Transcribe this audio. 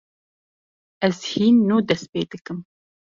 Ez hîn nû dest pê dikim.